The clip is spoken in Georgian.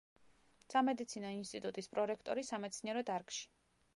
სამედიცინო ინსტიტუტის პრორექტორი სამეცნიერო დარგში.